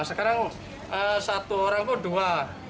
sekarang satu orang itu dua